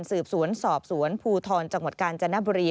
สืบสวนสอบสวนภูทรจังหวัดกาญจนบุรี